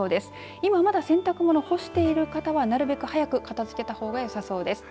今まだ洗濯物干している方はなるべく早く片づけた方がよさそうです。